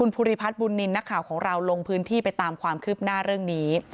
ภูริพัฒน์บุญนินทร์นักข่าวของเราลงพื้นที่ไปตามความคืบหน้าเรื่องนี้